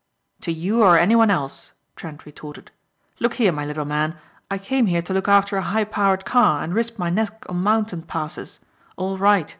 "To you or anyone else," Trent retorted. "Look here, my little man, I came here to look after a high powered car and risk my neck on mountain passes. All right.